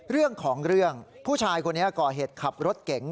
เรื่องของเรื่องผู้ชายคนนี้ก่อเหตุขับรถเก๋ง